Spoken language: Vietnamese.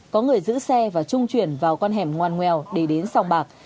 có người giữ xe và trung chuyển vào con hẻm ngoan ngoèo để đến sòng bạc